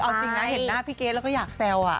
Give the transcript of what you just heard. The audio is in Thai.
เอาจริงนะเห็นหน้าพี่เกรทแล้วก็อยากแซว